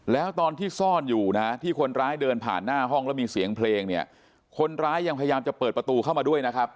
แล้วตอนที่ซ่อนอยู่นะที่คนร้ายเดินผ่านหน้าห้องแล้วมีเสียงเพลงเนี่ยคนร้ายยังพยายามจะเปิดประตูเข้ามาด้วยนะครับ